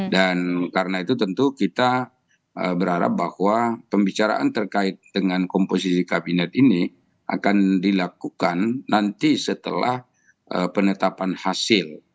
dan karena itu tentu kita berharap bahwa pembicaraan terkait dengan komposisi kabinet ini akan dilakukan nanti setelah penetapan hasil